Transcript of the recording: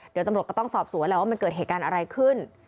เดี๋ยวตำรวจก็ต้องสอบสวนแล้วว่ามันเกิดเหตุการณ์อะไรขึ้น